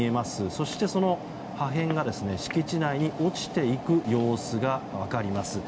そして、その破片が敷地内に落ちていく様子が分かります。